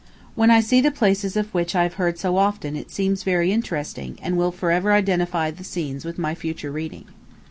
When I see the places of which I have heard so often it seems very interesting, and will forever identify the scenes with my future reading.